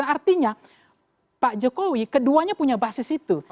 artinya pak jokowi keduanya punya basis itu